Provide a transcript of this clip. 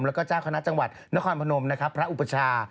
แล้วก็จ้าคณะจังหวัดนครพนมพระอุปชา